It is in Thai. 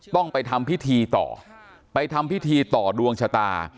ต้องไปทำพิธีต่อไปทำพิธีต่อดวงชะตา